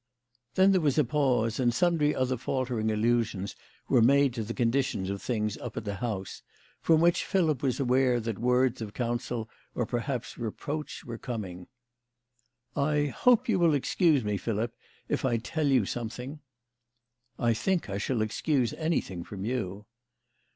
Then there was a pause, and sundry other faltering allusions were made to the condition of things up at the house, from which Philip was aware that words of counsel or perhaps reproach were coming. "I hope you will excuse me, Philip, if I tell you some thing." " I think I shall excuse anything from you."